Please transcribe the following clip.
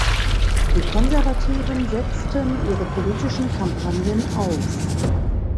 Die Konservativen setzten ihre politischen Kampagnen aus.